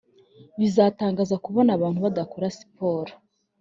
Biratangaza kubona abantu badakora siporo